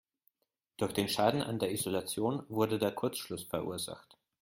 Durch den Schaden an der Isolation wurde der Kurzschluss verursacht.